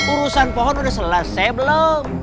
urusan pohon udah selesai belum